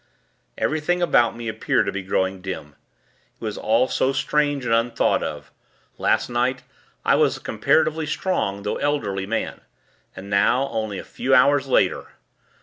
Everything about me appeared to be growing dim. It was all so strange and unthought of. Last night, I was a comparatively strong, though elderly man; and now, only a few hours later